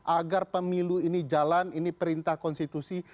agar pemilu ini jalan ini perintah konstitusi